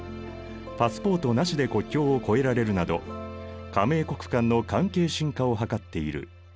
パスポートなしで国境を越えられるなど加盟国間の関係深化を図っている。